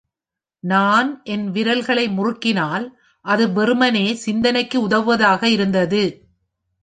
நான் என் விரல்களை முறுக்கினால், அது வெறுமனே சிந்தனைக்கு உதவுவதாக இருந்தது.